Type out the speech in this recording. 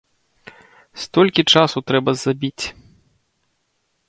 Столькі часу трэба забіць!